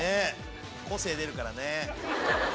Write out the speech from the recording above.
個性出るからね。